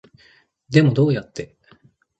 でもどうやって